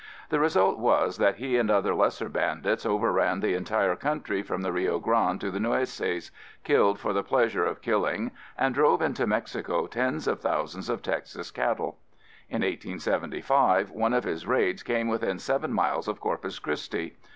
The result was that he and other lesser bandits overran the entire country from the Rio Grande to the Nueces, killed for the pleasure of killing and drove into Mexico tens of thousands of Texas cattle. In 1875, one of his raids came within seven miles of Corpus Christi.